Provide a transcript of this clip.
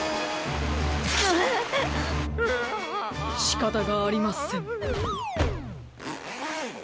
しかたがありません！